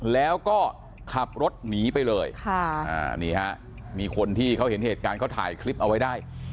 แล้วก็ขับรถหนีไปเลยนี่ฮะมีคนที่เขาเห็นเหตุการณ์เขาถ่ายคลิปเอาไว้ได้